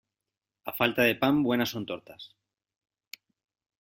A falta de pan, buenas son tortas.